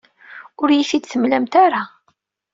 Ur iyi-t-id-temlamt ara.